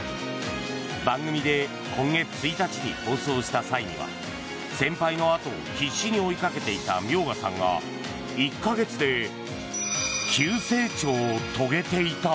番組で今月１日に放送した際には先輩の後を必死に追いかけていた明賀さんが１か月で急成長を遂げていた。